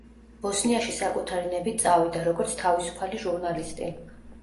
ბოსნიაში საკუთარი ნებით წავიდა, როგორც თავისუფალი ჟურნალისტი.